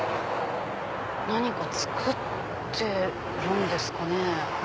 何か作ってるんですかね。